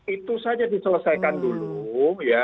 itu saja diselesaikan dulu